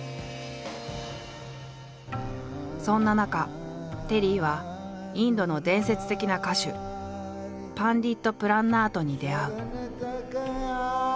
そんな中テリーはインドの伝説的な歌手パンディット・プラン・ナートに出会う。